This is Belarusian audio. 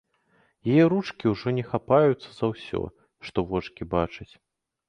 Яе ручкі ўжо не хапаюцца за ўсё, што вочкі бачаць.